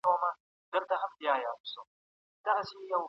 کي راوړي. د خلکو خوشبختي او د هيواد پرمختګ د